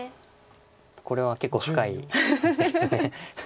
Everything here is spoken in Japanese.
これは結構深い一手です。